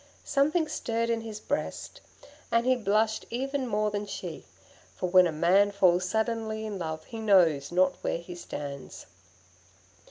Something stirred in his breast, and he blushed even more than she; for when a man falls suddenly in love he knows not where he stands.